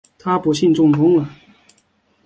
她不幸中风了